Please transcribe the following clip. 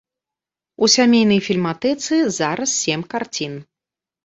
У сямейнай фільматэцы зараз сем карцін.